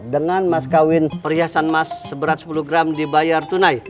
dengan mas kawin perhiasan emas seberat sepuluh gram dibayar tunai